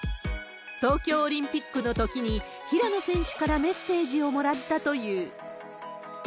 東京オリンピックのときに、平野選手からメッセージをもらったという。